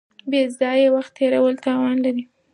بې ځایه وخت تېرول تاوان لري.